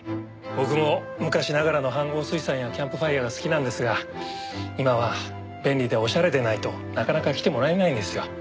僕も昔ながらの飯ごう炊さんやキャンプファイアが好きなんですが今は便利でおしゃれでないとなかなか来てもらえないんですよ。